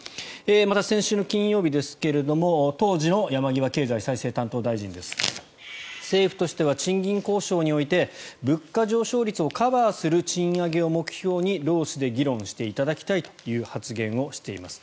また、先週の金曜日ですが当時の山際経済再生担当大臣政府としては賃金交渉において物価上昇率をカバーする賃上げを目標に労使で議論していただきたいという発言をしています。